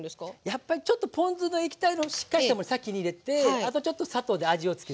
やっぱりちょっとポン酢の液体のしっかりしたもの先に入れてあとちょっと砂糖で味をつける。